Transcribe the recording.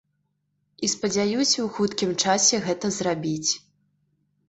І спадзяюся ў хуткім часе гэта зрабіць.